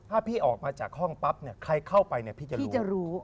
ถ้าพี่ออกมาจากห้องปั๊บใครเข้าไปพี่จะรู้